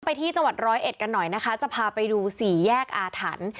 ไปที่จังหวัดร้อยเอ็ดกันหน่อยนะคะจะพาไปดูสี่แยกอาถรรพ์